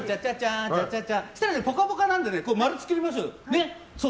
そしたら「ぽかぽか」なので丸を作りましょうよ。